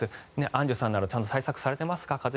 アンジュさんちゃんと対策していますか？